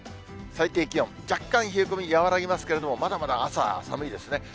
最低気温、若干冷え込み、和らぎますけれども、まだまだ朝は寒いですね。